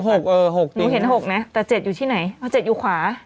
หนูเห็น๖เนี่ยแต่๗อยู่ที่ไหนเหละ๗อยู่ขวา